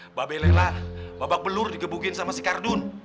mba be lela babak belur digebukin sama si kardun